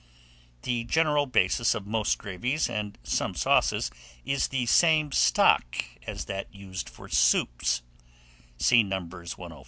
THE GENERAL BASIS OF MOST GRAVIES and some sauces is the same stock as that used for soups (see Nos.